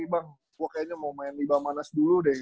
bang gue kayaknya mau main tiba mana dulu deh